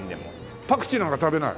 パクチーなんか食べない？